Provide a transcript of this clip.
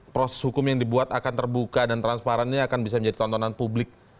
proses hukum yang dibuat akan terbuka dan transparan ini akan bisa menjadi tontonan publik